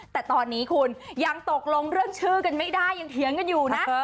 แต่ตอนนี้คุณยังตกลงเรื่องชื่อกันไม่ได้ยังเถียงกันอยู่นะ